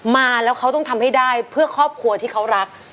มาแล้วเขาต้องทำให้ได้เพื่อครอบครัวที่เขารัก